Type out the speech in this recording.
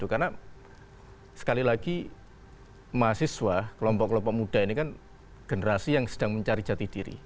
karena sekali lagi mahasiswa kelompok kelompok muda ini kan generasi yang sedang mencari jati diri